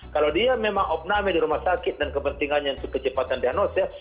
kalau dia memang opname di rumah sakit dan kepentingannya untuk kecepatan diagnosis